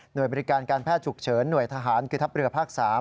โดยบริการการแพทย์ฉุกเฉินหน่วยทหารคือทัพเรือภาค๓